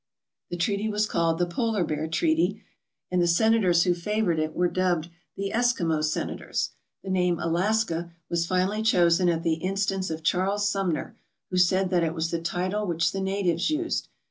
The treaty was called the "Polar Bear Treaty" and the senators who favoured it were dubbed the Eskimo sen ators. The name "Alaska" was finally chosen at the instance of Charles Sumner, who said that it was the title which the natives used.